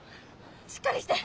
しっかりして！